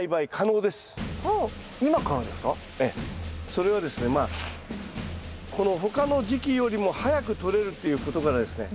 それはですねまあこの他の時期よりも早くとれるっていうことからですね